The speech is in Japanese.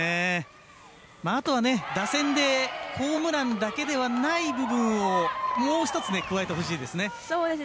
あとは打線でホームランだけではない部分をもう一つ、加えてほしいですね。